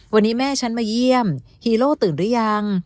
วันนี้แม่ฉันมาเยี่ยมฮีโร่ตื่นหรือยัง